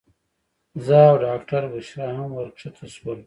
زه او ډاکټره بشرا هم ورښکته شولو.